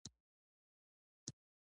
هر انسان په يوه چاپېريال کې رالويېږي.